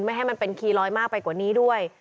ให้มันเป็นคีย์ลอยมากไปกว่านี้ด้วย